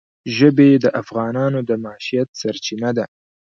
ژبې د افغانانو د معیشت سرچینه ده.